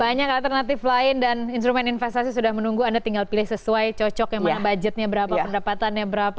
banyak alternatif lain dan instrumen investasi sudah menunggu anda tinggal pilih sesuai cocok yang mana budgetnya berapa pendapatannya berapa